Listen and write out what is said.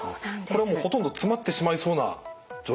これはもうほとんど詰まってしまいそうな状況ですけども。